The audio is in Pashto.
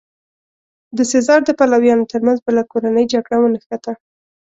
د سزار د پلویانو ترمنځ بله کورنۍ جګړه ونښته.